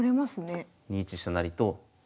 ２一飛車成と。